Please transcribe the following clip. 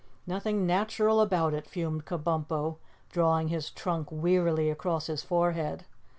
"Nothing natural about it," fumed Kabumpo, drawing his trunk wearily across his forehead.